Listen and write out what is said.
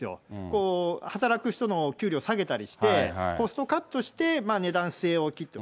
こう、働く人の給料を下げたりして、コストカットして、値段据え置きと。